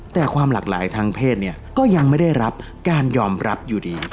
แต่ความหลากหลายทางเพศเนี่ยก็ยังไม่ได้รับการยอมรับอยู่ดี